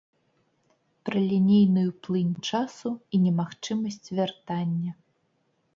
Пра лінейную плынь часу і немагчымасць вяртання.